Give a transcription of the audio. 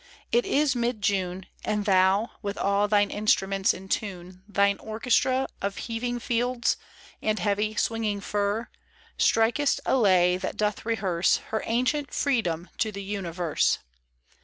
It is mid June, And thou, with all thine instruments in tune, Thine orchestra Of heaving fields, and heavy, swinging fir, Strikest a lay That doth rehearse Her ancient freedom to the universe.